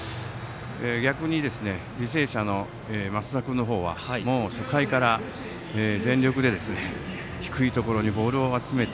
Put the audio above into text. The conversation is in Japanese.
逆に、履正社の増田君の方は初回から全力で低いところにボールを集めて。